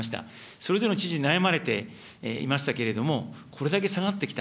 それぞれの知事、悩まれていましたけれども、これだけ下がってきた、